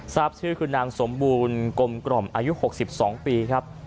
ทราบชื่อคือนางสมบูรณ์กลมกล่อมอายุ๖๒ปีครับ